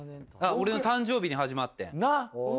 俺の誕生日に始まってん。